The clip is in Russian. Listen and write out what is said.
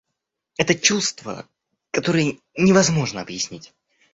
Это чувство, которое невозможно объяснить.